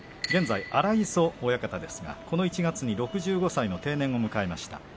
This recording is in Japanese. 現在荒磯親方ですがこの１月に６５歳の定年を迎えました。